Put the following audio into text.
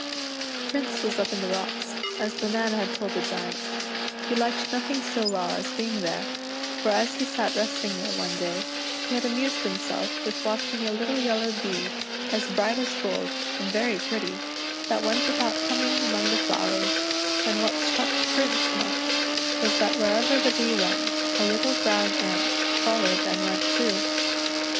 Prince was up in the rocks, as the man had told the Giant. He liked nothing so well as being there, for as he sat resting there one day, he had amused himself with watching a little yellow Bee, as bright as gold, and very pretty, that went about humming among the flowers, and what struck Prince much, was that wherever the Bee went a little brown ant followed and went too.